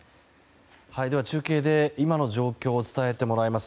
では中継で今の状況を伝えてもらいます。